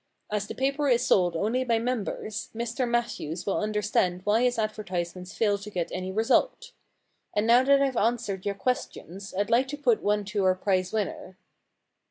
As the paper is sold only by members, Mr Matthews will understand why his advertisements failed to get any result. And now that Fve answered your questions, I'd like to put one to our prize winner.'